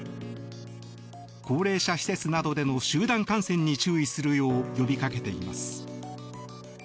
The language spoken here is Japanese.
高齢者施設などでの集団感染に注意するよう呼びかけています。